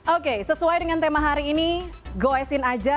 oke sesuai dengan tema hari ini goesin aja